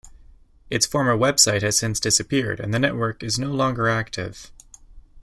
Its former website has since disappeared and the network is no longer active.